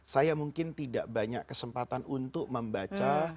saya mungkin tidak banyak kesempatan untuk membaca